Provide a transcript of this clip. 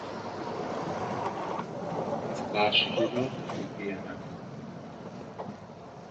লাশগুলো লুকিয়ে রাখ।